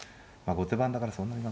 後手番だからそんなに。